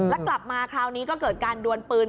แล้วกลับมาคราวนี้ก็เกิดการดวนปืน